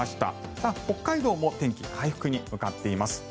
ただ、北海道も天気回復に向かっています。